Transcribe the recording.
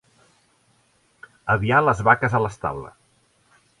Aviar les vaques a l'estable.